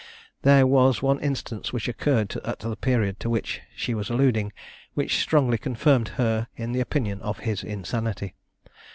There was one instance which occurred at the period to which she was alluding, which strongly confirmed her in the opinion of his insanity.